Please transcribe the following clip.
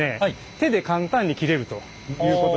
手で簡単に切れるということですね。